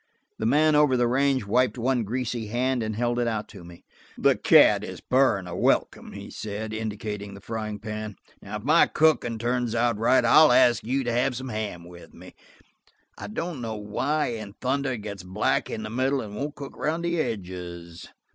The man over the range wiped one greasy hand and held it out to me. "The Cat is purring a welcome," he said, indicating the frying ham. "If my cooking turns out right I'll ask you to have some ham with me. I don't know why in thunder it gets black in the middle and won't cook around the edges."